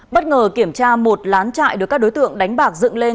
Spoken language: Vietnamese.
bất ngờ kiểm tra một lán trại được các đối tượng đánh bạc dựng lên